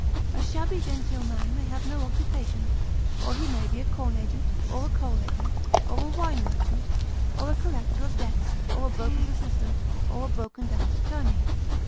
A shabby genteel man may have no occupation, or he may be a corn agent, or a coal agent, or a wine merchant, or a collector of debts, or a broker's assistant, or a broken down attorney.